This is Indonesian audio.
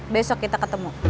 besok kita ketemu